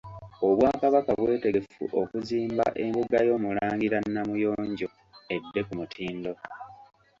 Obwakabaka bwetegefu okuzimba embuga y'Omulangira Namuyonjo edde ku mutindo.